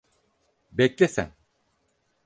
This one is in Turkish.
Bekle sen.